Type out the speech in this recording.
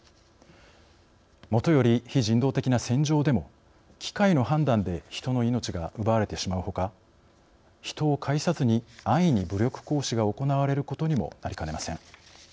もとより非人道的な戦場でも機械の判断で人の命が奪われてしまうほか人を介さずに安易に武力行使が行われることにもなりかねません。